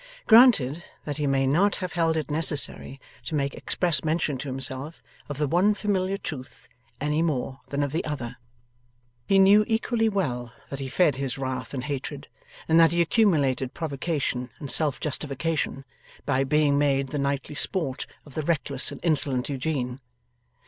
Granted, that he may not have held it necessary to make express mention to himself of the one familiar truth any more than of the other. He knew equally well that he fed his wrath and hatred, and that he accumulated provocation and self justification, by being made the nightly sport of the reckless and insolent Eugene.